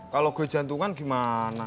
kalau gue jantungan gimana